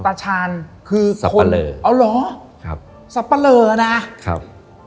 ตะชานคือสับปะเลอเอาเหรอครับสับปะเลอนะครับ